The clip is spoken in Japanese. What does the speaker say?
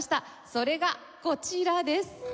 それがこちらです。